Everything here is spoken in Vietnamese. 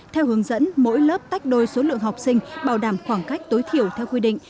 theo hướng dẫn mỗi lớp tách đôi số lượng học sinh bảo đảm khoảng cách tối thiểu theo quy định